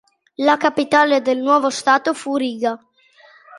La capitale del nuovo stato fu Riga.